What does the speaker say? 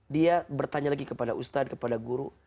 dia bertanya lagi kepada ustadz kepada guru